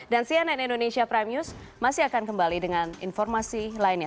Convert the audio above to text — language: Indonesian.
dan cnn indonesia prime news masih akan kembali dengan informasi lainnya